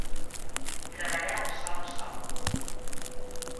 Treballar de sol a sol.